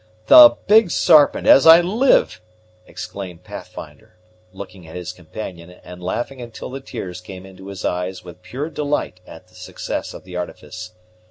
"The Big Sarpent, as I live!" exclaimed Pathfinder, looking at his companion, and laughing until the tears came into his eyes with pure delight at the success of the artifice.